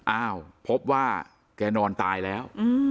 อ้าวพบว่าแกนอนตายแล้ว